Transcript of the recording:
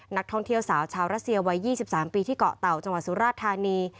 นักท่องเที่ยวสาวชาวรัสเซียวัย๒๓ปีที่เกาะเต่าจังหวัดสุราชธานี